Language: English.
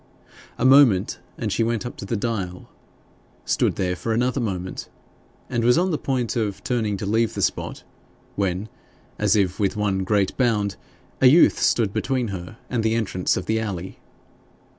A moment, and she went up to the dial, stood there for another moment, and was on the point of turning to leave the spot, when, as if with one great bound, a youth stood between her and the entrance of the alley.